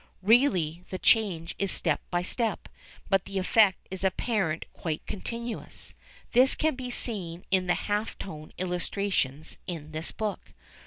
Really the change is step by step, but the effect is apparently quite continuous. This can be seen in the "half tone" illustrations in this book.